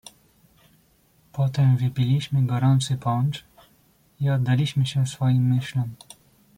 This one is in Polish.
"Potem wypiliśmy gorący poncz i oddaliśmy się swoim myślom."